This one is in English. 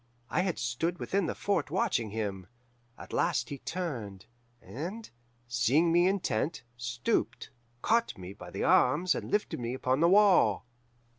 I had stood within the fort watching him. At last he turned, and, seeing me intent, stooped, caught me by the arms, and lifted me upon the wall.